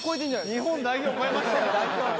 日本代表超えましたよ。